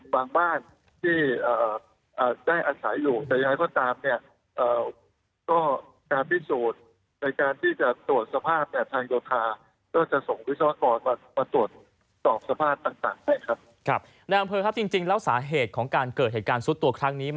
และเอาเปอร์ค่ะจริงแล้วสาเหตุของการเกิดเหตุการณ์สูตรตัวครั้งนี้